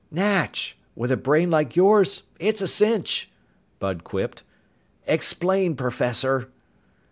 "Natch! With a brain like yours, it's a cinch," Bud quipped. "Explain, professor."